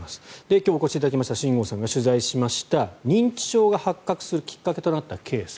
今日お越しいただきました新郷さんが取材しました認知症が発覚するきっかけとなったケース。